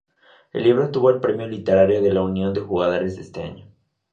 El libro obtuvo el premio literario de la unión de jugadores de ese año.